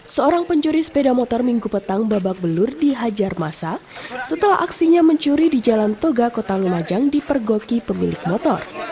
seorang pencuri sepeda motor minggu petang babak belur dihajar masa setelah aksinya mencuri di jalan toga kota lumajang dipergoki pemilik motor